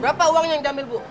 berapa uangnya yang diambil bu